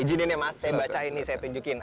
ijinin ya mas saya bacain nih saya tunjukin